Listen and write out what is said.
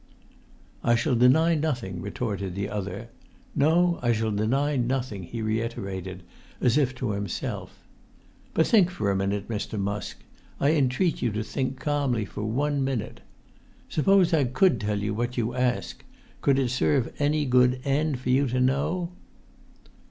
"I shall deny nothing," retorted the other. "No, I shall deny nothing!" he reiterated as if to himself. "But think for a minute, Mr. Musk—I entreat you to think calmly for one minute! Suppose I could tell you what you ask, could it serve any good end for you to know?"